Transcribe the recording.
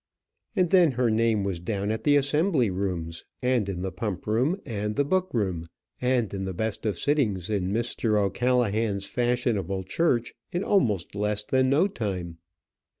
And then her name was down at the assembly rooms, and in the pump room, and the book room, and in the best of sittings in Mr. O'Callaghan's fashionable church, in almost less than no time.